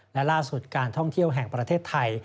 และล่าสุดการท่องเที่ยวแห่งประเทศไทย